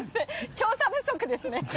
調査不足ですね。